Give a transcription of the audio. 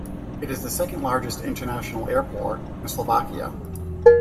It is the second largest international airport in Slovakia.